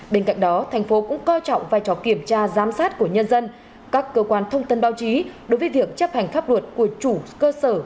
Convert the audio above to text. bên cạnh đó thành phố cũng coi trọng vai trò kiểm tra giám sát của nhân dân các cơ quan thông tin báo chí đối với việc chấp hành pháp luật của chủ cơ sở